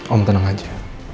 om tenang aja